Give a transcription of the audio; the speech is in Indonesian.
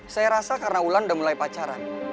saya rasa karena ulan udah mulai pacaran